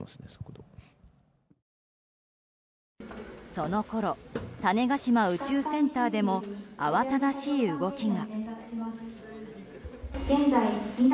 そのころ種子島宇宙センターでもあわただしい動きが。